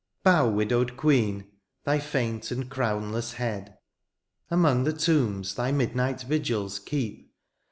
Bow, widowed queen, thy faint and crownless head; Among the tombs thy midnight vigils keep.